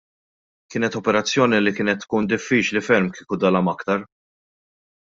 Kienet operazzjoni li kienet tkun diffiċli ferm kieku dalam aktar.